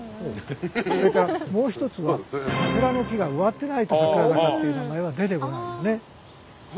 それからもう一つは桜の木が植わっていないと桜坂っていう名前は出てこないですね。